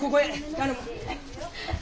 頼む。